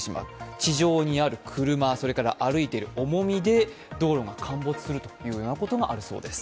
地上にある車、それから歩いている重みで道路が陥没することがあるそうです。